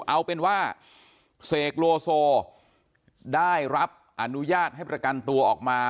เอาเป็นว่าเสกโลโซได้รับอนุญาตให้ประกันตัวออกมา